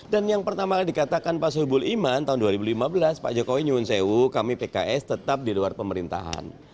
dan yang pertama dikatakan pak soebule iman tahun dua ribu lima belas pak jokowi nyunsew kami pks tetap di luar pemerintahan